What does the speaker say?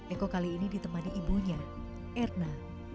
eko kali ini ditemani ibunya erna